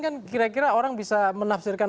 kan kira kira orang bisa menafsirkan